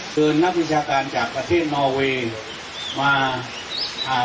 คืนนักวิชาการจากประเทศนอเวีย